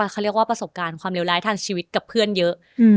เขาเรียกว่าประสบการณ์ความเลวร้ายทางชีวิตกับเพื่อนเยอะ